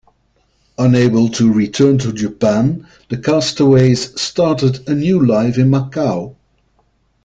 Unable to return to Japan, the castaways started a new life in Macau.